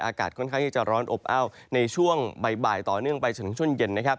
อากาศค่อนข้างที่จะร้อนอบอ้าวในช่วงบ่ายต่อเนื่องไปจนถึงช่วงเย็นนะครับ